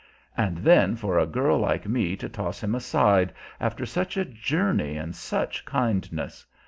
And then for a girl like me to toss him aside, after such a journey and such kindness!